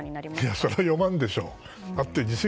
それは読まないでしょう。